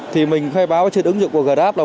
thì mình khai báo trên ứng dụng của grab là một